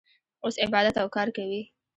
اوس عبادت او کار کوي.